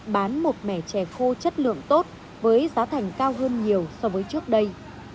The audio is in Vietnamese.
bán một mẻ chè khô chất lượng tốt với giá thành cao hơn nhiều so với trước đây